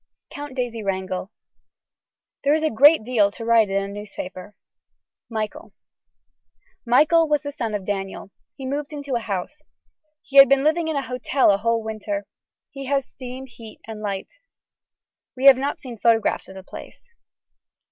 (Count Daisy Wrangel.) There is a great deal to write in a newspaper. (Michael.) Michael was the son of Daniel. He moved into a house. He had been living at a hotel a whole winter. He has steam heat and light. We have not seen photographs of the place.